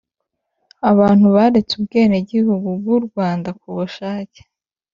Abantu baretse Ubwenegihugu bw u Rwanda ku bushake